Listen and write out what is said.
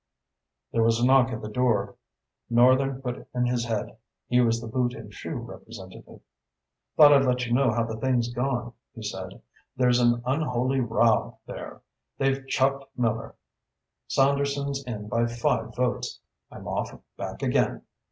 There was a knock at the door. Northern put in his head. He was the Boot and Shoe representative. "Thought I'd let you know how the thing's gone," he said. "There's an unholy row there. They've chucked Miller. Saunderson's in by five votes. I'm off back again.